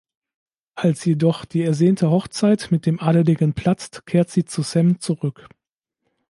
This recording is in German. Als jedoch die ersehnte Hochzeit mit dem Adeligen platzt, kehrt sie zu Sam zurück.